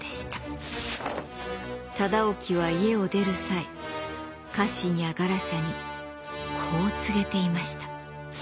忠興は家を出る際家臣やガラシャにこう告げていました。